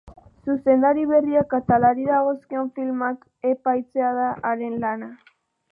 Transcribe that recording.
Zuzendari berriak atalari dagozkion filmak epaitzea da haren lana.